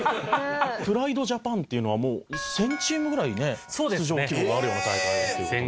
プライドジャパンっていうのはもう１０００チームぐらいね出場希望があるような大会だという事なので。